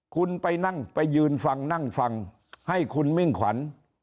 คุณไปนั่งไปยืนฟังนั่งฟังให้คุณมิ่งขวัญ